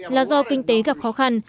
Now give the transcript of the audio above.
là do kinh tế gặp khó khăn